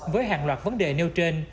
với hàng loạt vấn đề nêu trên